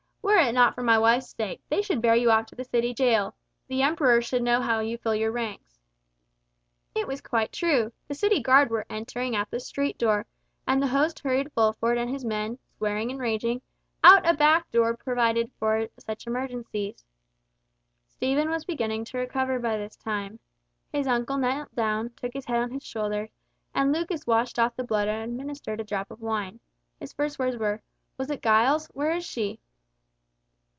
Were it not for my wife's sake, they should bear you off to the city jail; the Emperor should know how you fill your ranks." It was quite true. The city guard were entering at the street door, and the host hurried Fulford and his men, swearing and raging, out at a back door provided for such emergencies. Stephen was beginning to recover by this time. His uncle knelt down, took his head on his shoulder, and Lucas washed off the blood and administered a drop of wine. His first words were: "Was it Giles? Where is she?"